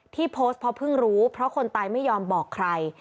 ที่โพสต์เพราะเพิ่งรู้เพราะคนตายไม่ยอมบอกใคร